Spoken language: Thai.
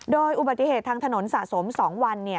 โดยอุบัติเหตุทางถนนสะสม๒วัน